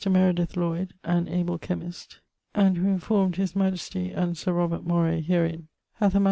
Meredith Lloyd (an able chymist, and who informed his majestie and Sir Robert Moray herin) hath a MS.